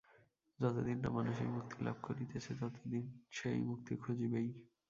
যতদিন না মানুষ এই মুক্তি লাভ করিতেছে, ততদিন সে মুক্তি খুঁজিবেই।